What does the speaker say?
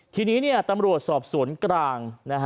ทีนี้ตำรวจสอบสวนกลาง